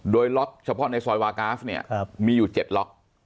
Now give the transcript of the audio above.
โดยล็อกเฉพาะในซอยวากราฟเนี่ยมีอยู่๗ล็อก